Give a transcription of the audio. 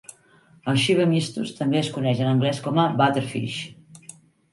El Schilbe mystus també es coneix en anglès com a "butter fish".